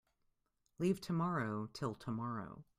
Leave tomorrow till tomorrow.